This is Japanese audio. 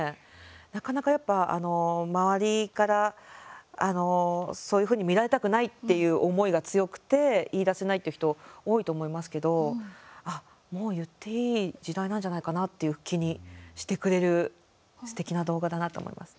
なかなかやっぱ、周りからそういうふうに見られたくないっていう思いが強くて言いだせないという人多いと思いますけどああ、もう言っていい時代なんじゃないかなっていう気にしてくれるすてきな動画だなと思いますね。